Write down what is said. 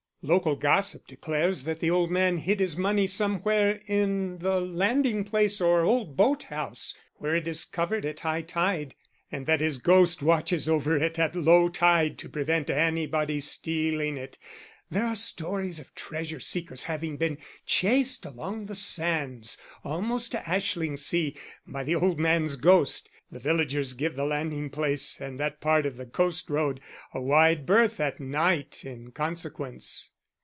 "Local gossip declares that the old man hid his money somewhere in the landing place or old boat house, where it is covered at high tide, and that his ghost watches over it at low tide to prevent anybody stealing it. There are stories of treasure seekers having been chased along the sands almost to Ashlingsea by the old man's ghost. The villagers give the landing place and that part of the coast road a wide berth at night in consequence."